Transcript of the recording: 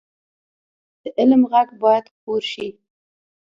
د علم غږ باید خپور شي